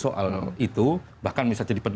soal itu bahkan bisa jadi